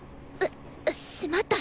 しまった！